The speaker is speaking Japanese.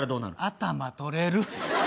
頭取れる。